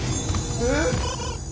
えっ！？